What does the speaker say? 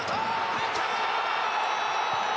入った！